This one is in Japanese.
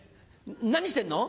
何してんの？